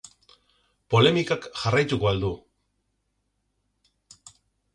Polemikak jarraituko al du?